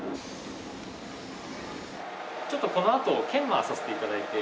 ちょっとこのあと研磨させて頂いて。